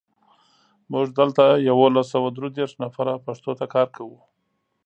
موږ دلته یولس سوه درودېرش نفره پښتو ته کار کوو.